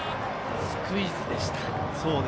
スクイズでした。